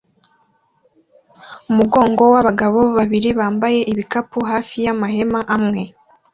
Umugongo wabagabo babiri bambaye ibikapu hafi yamahema amwe